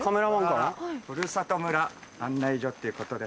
ふるさと村案内所っていうことで。